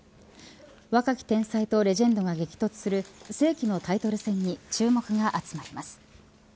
若き天才とレジェンドが激突する世紀のタイトル戦に注目が集まります。